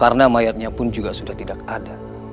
karena mayatnya pun sudah tidak ada